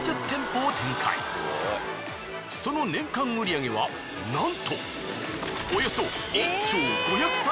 その年間売り上げはなんと。